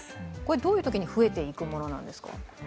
どういうときに増えていくものなんですか？